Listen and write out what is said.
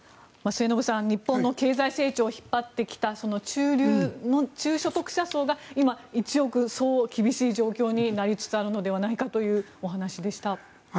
末延さん日本の経済成長を引っ張ってきた中所得者層が今、厳しい状況になりつつあるのではないかというお話でした。